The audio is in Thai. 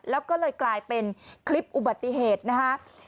แล้วก็เลยกลายเป็นคลิปอุบัติเหตุนะฮะ